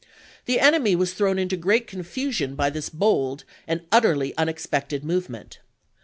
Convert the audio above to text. The enemy was thrown into great confusion by this bold and utterly unexpected movement.